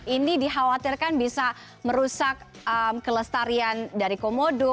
ini dikhawatirkan bisa merusak kelestarian dari komodo